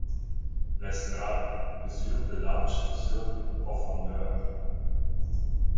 L'estrade mesure de large sur de profondeur.